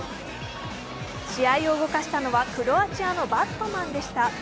試合を動かしたのはクロアチアのバットマンでした。